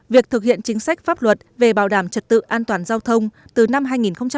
việc thực hiện chính sách pháp luật về bảo đảm trật tự an toàn giao thông từ năm hai nghìn chín đến hết năm hai nghìn hai mươi